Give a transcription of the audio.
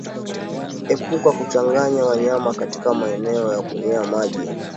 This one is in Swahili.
Epuka kuchanganya wanyama katika maeneo ya kunywea maji